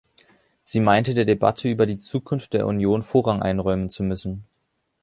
Sie meinte, der Debatte über die Zukunft der Union Vorrang einräumen zu müssen.